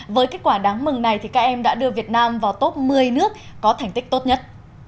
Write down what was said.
với kết quả đáng mừng này thì các em đã đưa việt nam vào top một mươi nước có thành tích tốt nhất